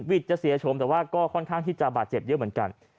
จะเสียชมแต่ว่าก็ค่อนข้างที่จะบาดเจ็บเยอะเหมือนกัน